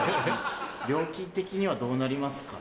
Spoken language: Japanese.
料金的にはどうなりますか？